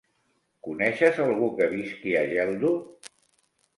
Coneixes algú que visqui a Geldo?